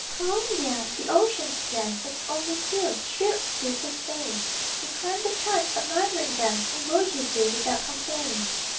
Columbia, the Ocean's Gem (Its only tune) shrilled sweet and faint. He cranked the chimes, admiring them In vigil gay, without complaint.